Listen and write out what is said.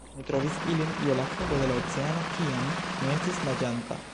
Mi trovis ilin je la fundo de la oceano kiam mi estis naĝanta